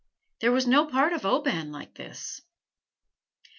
There was no part of Oban like this."